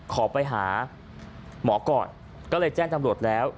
ขอไปหาหมอก่อนก็เลยแจ้งจำรวจแล้ว